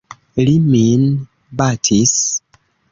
Li min batis.